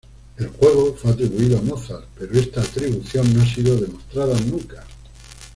El juego fue atribuido a Mozart, pero esta atribución no ha sido demostrada nunca.